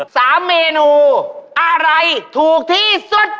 สามเมนูอะไรถูกที่สุด